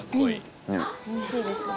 美味しいですね。